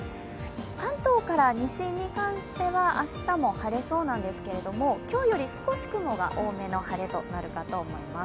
関東から西に関しては明日も晴れそうなんですけれども今日より少し雲が多めの晴れとなるかと思います。